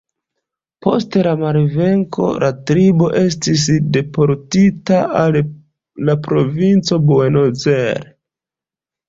Post la malvenko la tribo estis deportita al la provinco Buenos Aires.